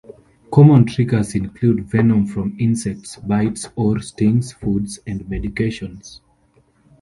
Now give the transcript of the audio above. Common triggers include venom from insect bites or stings, foods, and medication.